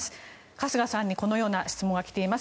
春日さんにこのような質問が来ています。